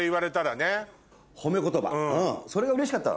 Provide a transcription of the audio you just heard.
それがうれしかった。